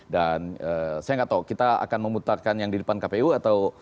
dan saya gak tahu kita akan memutarkan yang di depan kpu atau